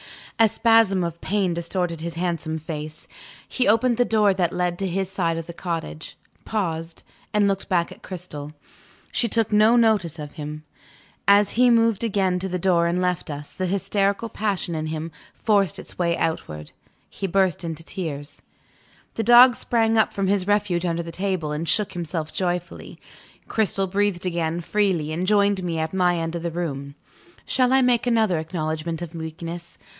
A spasm of pain distorted his handsome face. He opened the door that led to his side of the cottage paused and looked back at Cristel. She took no notice of him. As he moved again to the door and left us, the hysterical passion in him forced its way outward he burst into tears. The dog sprang up from his refuge under the table, and shook himself joyfully. Cristel breathed again freely, and joined me at my end of the room. Shall I make another acknowledgment of weakness?